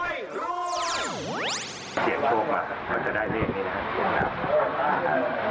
เสียงโชคเราจะได้เลขนี้นะครับ